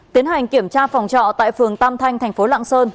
tiến hành kiểm tra phòng trọ tại phường tam thanh tp lạng sơn